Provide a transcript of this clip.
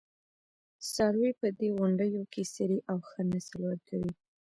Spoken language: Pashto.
څاروي په دې غونډیو کې څري او ښه نسل ورکوي.